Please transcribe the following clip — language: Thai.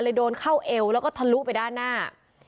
โดนเข้าเอวแล้วก็ทะลุไปด้านหน้า